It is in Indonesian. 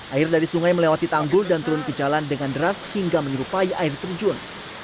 air dari sungai melewati tanggul dan turun ke jalan dengan deras hingga menyerupai air terjun